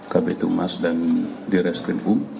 kab tumas dan direktri bum